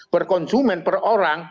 per konsumen per orang